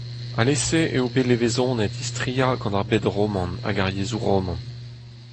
Alese eo bet levezonet Istria gant ar bed roman hag ar yezhoù roman.